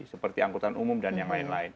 seperti angkutan umum dan yang lain lain